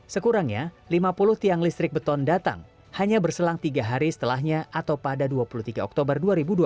sekurangnya lima puluh tiang listrik beton datang hanya berselang tiga hari setelahnya atau pada dua puluh tiga oktober dua ribu dua puluh